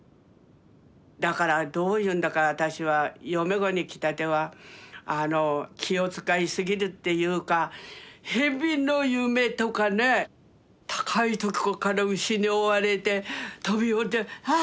だからどういうんだか私は嫁ごに来たてはあの気を遣いすぎるっていうかヘビの夢とかね高いとこから牛に追われて飛び降りてあっ！